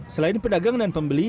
selain pedagang dan pembeli